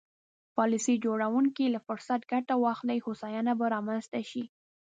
پالیسي جوړوونکي له فرصته ګټه واخلي هوساینه به رامنځته شي.